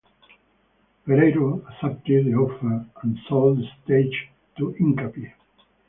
Pereiro accepted the offer and sold the stage to Hincapie.